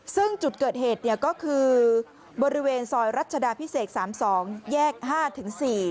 ซึ่งจุดเกิดเหตุก็คือบริเวณซอยรัชดาพิเศษ๓๒แยก๕ถึง๔